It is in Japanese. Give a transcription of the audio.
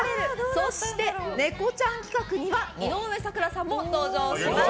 そしてネコちゃん企画には井上咲楽さんも登場します。